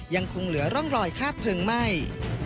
ยังคงเหลือร่องรอยคาบเพลิงไหม้